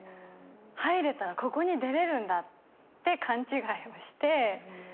入れたらここに出れるんだって勘違いをして説得して。